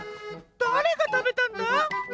だれがたべたんだ？